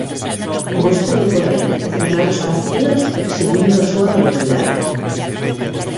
Gústalle correr e cerrar os partidos exhibindo a súa velocidade.